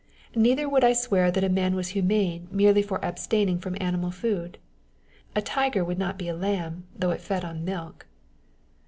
Neither would I swear that a man was humane merely for abstaining from animal food. A tiger would not be a lamb, though it fed on milk.